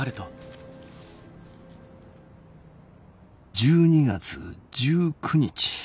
「１２月１９日。